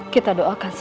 kita doakan untuk dia